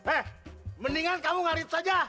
eh mendingan kamu ngarit saja